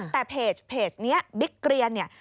แต่เพจนี้บิ๊กเกลียน